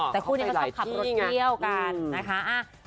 แต่คู่นี้ก็สามารถขับรถเที่ยวกันนะคะเอาไปหลายที่ไง